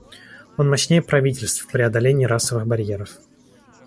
Он мощнее правительств в преодолении расовых барьеров.